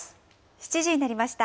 ７時になりました。